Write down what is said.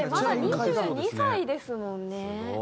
だってまだ２２歳ですもんね。